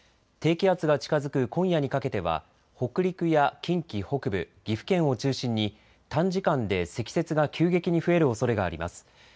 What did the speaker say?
低気圧が近づく今夜にかけては北陸や近畿北部、岐阜県を中心に短時間で積雪が急激に増えるおそれがあります。